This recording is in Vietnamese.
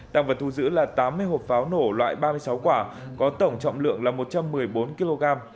tăng vật thu giữ là tám mươi hộp pháo nổ loại ba mươi sáu quả có tổng trọng lượng là một trăm một mươi bốn kg